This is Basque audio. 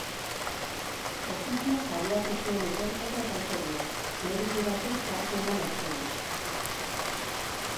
Ofizioz abiatu zuen ikerketa epaitegiak, mediku batek parte eman ostean.